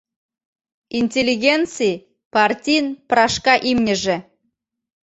Интеллигенций — партийын прашка имньыже.